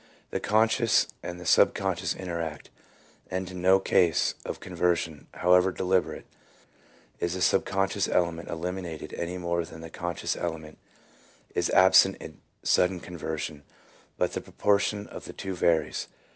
The conscious and the sub conscious interact, and in no case of conversion, however deliberate, is the subconscious element eliminated any more than the conscious element is absent in sudden conversion, but the proportion of the two varies.